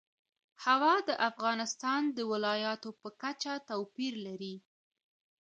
هوا د افغانستان د ولایاتو په کچه توپیر لري.